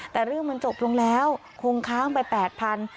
แต่เรื่องมันจบลงแล้วคงค้างไป๘๐๐บาท